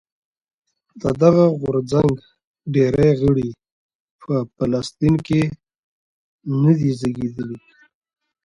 د دغه غورځنګ ډېری غړي په فلسطین کې نه دي زېږېدلي.